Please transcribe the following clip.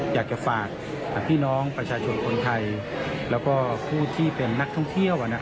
อยากจะฝากพี่น้องประชาชนคนไทยแล้วก็ผู้ที่เป็นนักท่องเที่ยว